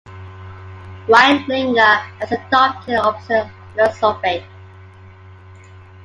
Riedlinger has adopted the opposite philosophy.